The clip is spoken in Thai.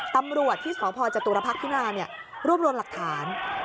ตำรวจที่ศาลพอร์จตุรพรรคพิมมารร่วมรวมหลักฐาน